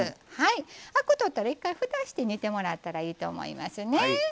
アクを取ったら一回、ふたをして煮ていっていただいたらいいと思いますね。